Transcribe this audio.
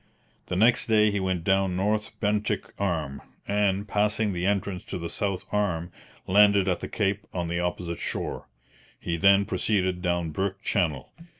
The next day he went down North Bentinck Arm, and, passing the entrance to the south arm, landed at the cape on the opposite shore. He then proceeded down Burke Channel.